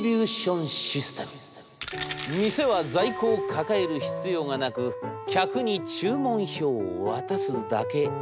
「店は在庫を抱える必要がなく客に注文票を渡すだけ。